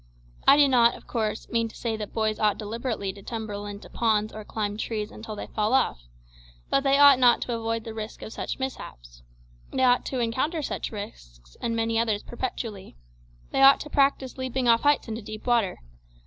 I do not, of course, mean to say that boys ought deliberately to tumble into ponds or climb trees until they fall off; but they ought not to avoid the risk of such mishaps. They ought to encounter such risks and many others perpetually. They ought to practise leaping off heights into deep water.